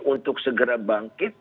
untuk segera bangkit